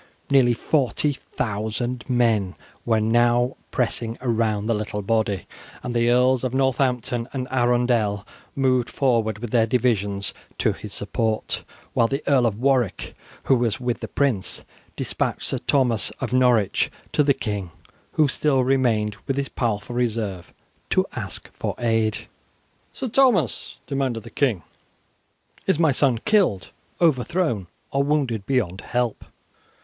Nearly 40,000 men were now pressing round the little body, and the Earls of Northampton and Arundel moved forward with their divisions to his support, while the Earl of Warwick, who was with the prince, despatched Sir Thomas of Norwich to the king, who still remained with his powerful reserve, to ask for aid. "Sir Thomas," demanded the king, "is my son killed, overthrown, or wounded beyond help?"